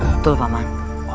betul pak man